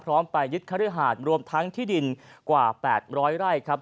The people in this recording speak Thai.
ไปยึดคฤหาสรวมทั้งที่ดินกว่า๘๐๐ไร่ครับ